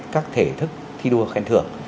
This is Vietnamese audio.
các thể thức thi đua khen thưởng